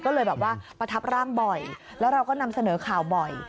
ก็เลยแบบว่าประทับร่างบ่อยแล้วเราก็นำเสนอข่าวบ่อย